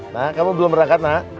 nak kamu belum berangkat nak